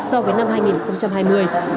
so với năm hai nghìn hai mươi